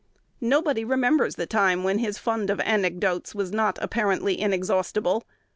Nobody remembers the time when his fund of anecdotes was not apparently inexhaustible.